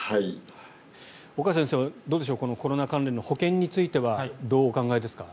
岡先生、どうでしょうコロナ関連の保険についてはどうお考えですか？